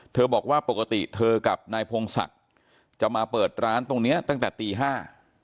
บอกว่าปกติเธอกับนายพงศักดิ์จะมาเปิดร้านตรงเนี้ยตั้งแต่ตีห้า